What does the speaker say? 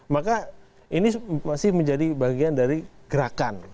maka ini masih menjadi bagian dari gerakan